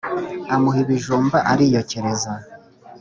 Amuha iibijumba ariyokereza